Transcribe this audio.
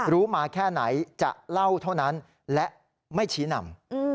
รู้มาแค่ไหนจะเล่าเท่านั้นและไม่ชี้นำ